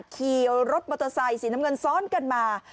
ขี่รถมอเตอร์ไซค์สีน้ำเงินซ้อนกันมา